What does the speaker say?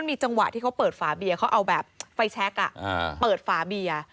มีจังหวะที่เขาเปิดฝาเบียร์เขาเอาแบบไฟแชคเปิดฝาเบียร์